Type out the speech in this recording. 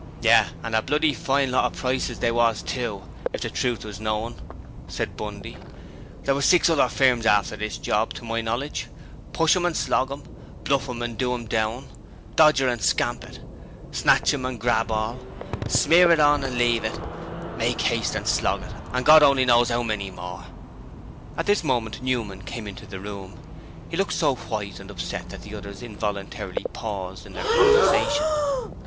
'Yes, and a bloody fine lot of prices they was, too, if the truth was known!' said Bundy. 'There was six other firms after this job to my knowledge Pushem and Sloggem, Bluffum and Doemdown, Dodger and Scampit, Snatcham and Graball, Smeeriton and Leavit, Makehaste and Sloggitt, and Gord only knows 'ow many more.' At this moment Newman came into the room. He looked so white and upset that the others involuntarily paused in their conversation.